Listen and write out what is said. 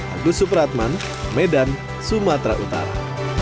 agus supratman medan sumatera utara